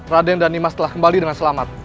raden dan nimas telah kembali dengan selamat